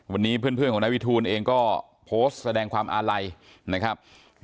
วันนี้เพื่อนของนายวิทูลเองก็โพสต์แสดงความอาลัยนะครับ